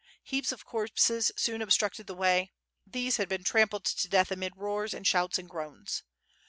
Heaps of corpses soon obstructed the way; these had been trampled to death amid roars, and shouts, and groans.